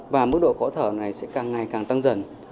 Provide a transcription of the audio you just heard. và mức độ khó thở này sẽ càng ngày càng tăng dần